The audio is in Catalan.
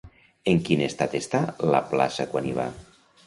En quin estat està la plaça quan hi va?